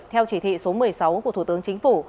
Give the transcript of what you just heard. theo chỉ thị số một mươi sáu của thủ tướng chính phủ